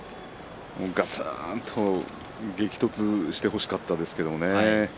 ガツンと激突してほしかったですけれどね。